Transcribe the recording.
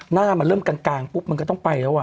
หน้ามันเริ่มกลางปุ๊บมันก็ต้องไปแล้ว